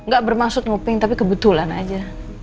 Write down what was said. gak bermaksud ngoping tapi kebetulan aja